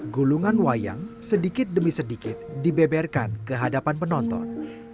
gulungan wayang sedikit demi sedikit dibeberkan ke hadapan penonton